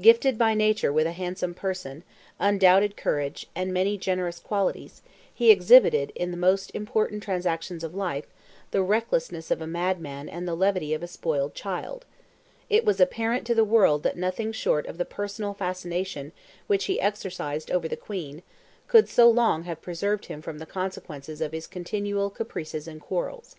Gifted by nature with a handsome person, undoubted courage, and many generous qualities, he exhibited, in the most important transactions of life, the recklessness of a madman and the levity of a spoiled child; it was apparent to the world that nothing short of the personal fascination which he exercised over the Queen could so long have preserved him from the consequences of his continual caprices and quarrels.